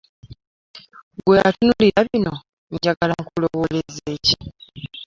Ggwe atunuulira bino njagala nkulowooleze ki?